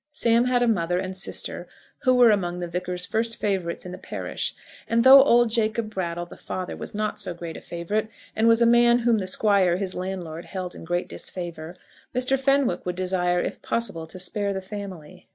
Sam had a mother and sister who were among the Vicar's first favourites in the parish; and though old Jacob Brattle, the father, was not so great a favourite, and was a man whom the Squire, his landlord, held in great disfavour, Mr. Fenwick would desire, if possible, to spare the family.